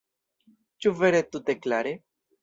Ĉu vere tute klare?